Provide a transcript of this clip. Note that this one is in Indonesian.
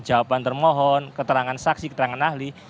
jawaban termohon keterangan saksi keterangan ahli